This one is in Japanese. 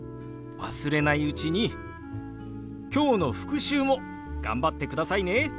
忘れないうちに今日の復習も頑張ってくださいね。